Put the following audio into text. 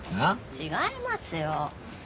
違いますよ。